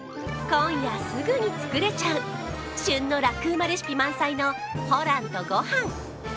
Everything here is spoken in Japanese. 今夜、すぐに作れちゃう旬のラクうまっレシピ満載の「ホランとごはん」。